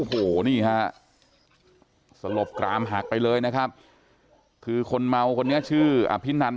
โอ้โหนี่ฮะสลบกรามหักไปเลยนะครับคือคนเมาคนนี้ชื่ออภินัน